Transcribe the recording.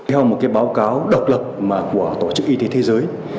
theo một báo cáo độc lập của tổ chức y tế thế giới